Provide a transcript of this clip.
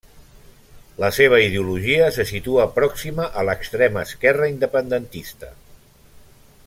La seva ideologia se situa pròxima a l'extrema esquerra independentista.